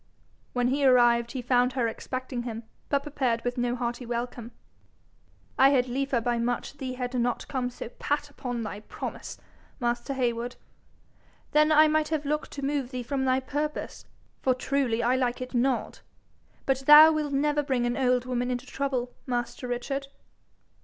When he arrived, he found her expecting him, but prepared with no hearty welcome. 'I had liefer by much thee had not come so pat upon thy promise, master Heywood. Then I might have looked to move thee from thy purpose, for truly I like it not. But thou will never bring an old woman into trouble, master Richard?'